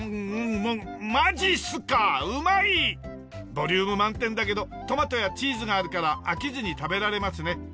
ボリューム満点だけどトマトやチーズがあるから飽きずに食べられますね。